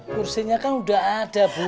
kursinya kan udah ada bu